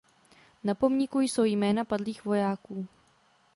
Na pomníku jsou jména padlých vojáků.